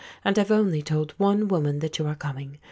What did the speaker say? And I've only told one woman that you are coming.